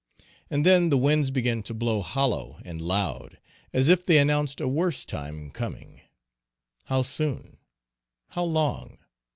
And then the winds began to blow hollow and loud, as if they announced a worse time coming. How soon? How long?